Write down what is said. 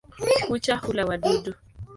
Kucha hula wadudu.